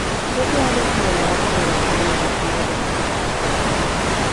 Fue creado sobre la base del antiguo Partido de Rancagua.